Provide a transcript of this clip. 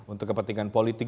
untuk kepentingan politik